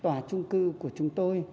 tòa trung cư của chúng tôi